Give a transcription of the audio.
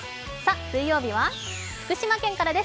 水曜日は福島県からです